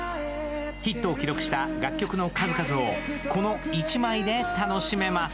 ヒットを記録した楽曲の数々をこの一枚で楽しめます。